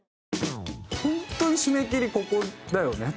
本当に締め切りここだよね？